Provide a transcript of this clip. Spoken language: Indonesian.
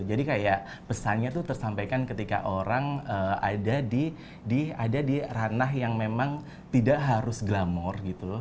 kayak pesannya tuh tersampaikan ketika orang ada di ranah yang memang tidak harus glamor gitu loh